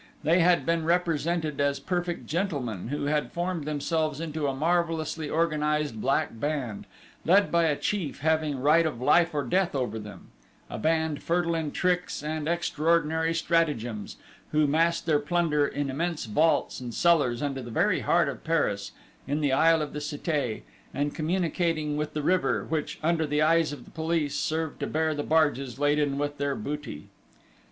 They had been represented as perfect gentlemen, who had formed themselves into a marvellously organised Black Band, led by a chief having right of life or death over them: a band fertile in tricks and extraordinary stratagems, who massed their plunder in immense vaults and cellars under the very heart of Paris, in the Isle of the Cité, and communicating with the river, which, under the eyes of the police, served to bear the barges laden with their booty.